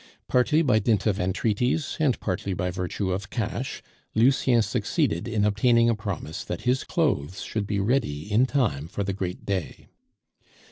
Partly by dint of entreaties, and partly by virtue of cash, Lucien succeeded in obtaining a promise that his clothes should be ready in time for the great day.